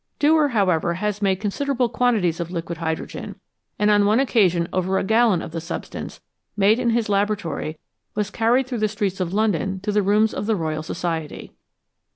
Dewar, however, has made considerable quantities of liquid hydrogen, and on one occasion over a gallon of the substance, made in his laboratory, was carried through the streets of London to the rooms of the Royal Society.